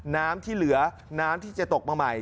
น้ำที่เหลือน้ำที่จะตกมาใหม่